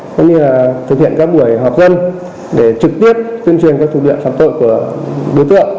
cũng như là thực hiện các buổi họp dân để trực tiếp tuyên truyền các thủ đoạn phạm tội của đối tượng